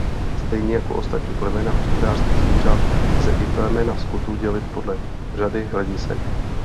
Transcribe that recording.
Stejně jako ostatní plemena hospodářských zvířat lze i plemena skotu dělit podle řady hledisek.